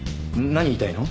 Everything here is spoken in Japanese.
何言いたいの？